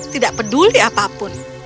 tidak peduli apapun